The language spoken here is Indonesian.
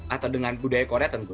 atau dengan budaya korea tentu